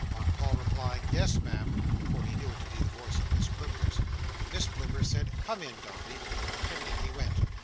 On Paul replying, "Yes, Ma'am:" for he knew the voice to be Miss Blimber's: Miss Blimber said, "Come in, Dombey." And in he went.